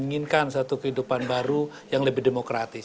menginginkan satu kehidupan baru yang lebih demokratis